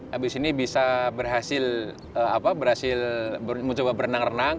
habis ini bisa berhasil mencoba berenang renang